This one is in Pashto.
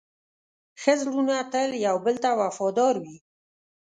ښه زړونه تل یو بل ته وفادار وي.